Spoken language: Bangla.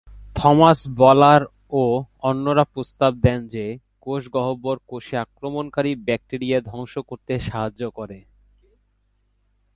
থমাস বলার ও অন্যরা প্রস্তাব দেন যে, কোষ গহ্বর কোষে আক্রমণকারী ব্যাকটেরিয়া ধ্বংস করতে সাহায্য করে।